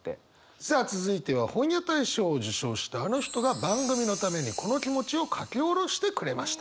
さあ続いては本屋大賞を受賞したあの人が番組のためにこの気持ちを書き下ろしてくれました。